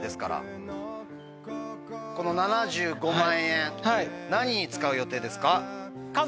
この７５万円何に使う予定ですか？